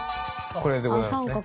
これでございますね。